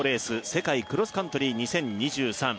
世界クロスカントリー２０２３